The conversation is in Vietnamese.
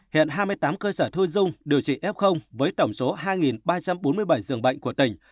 hiện hai mươi tám cơ sở thu dung điều trị f với tổng số hai ba trăm bốn mươi bảy dường bệnh của tỉnh